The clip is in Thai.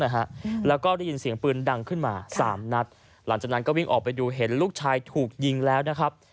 นะฮะแล้วก็ได้ยินเสียงปืนดังขึ้นมาสามนัดหลังจากนั้นก็วิ่งออกไปดูเห็นลูกชายถูกยิงแล้วนะครับ